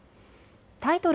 タイトル